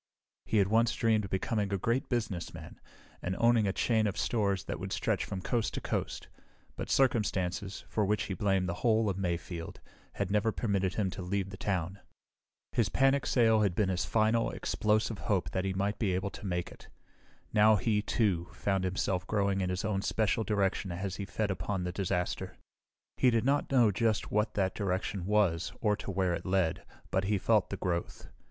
He had once dreamed of becoming a great businessman and owning a chain of stores that would stretch from coast to coast, but circumstances, for which he blamed the whole of Mayfield, had never permitted him to leave the town. His panic sale had been his final, explosive hope that he might be able to make it. Now, he, too, found himself growing in his own special direction as he fed upon the disaster. He did not know just what that direction was or to where it led, but he felt the growth.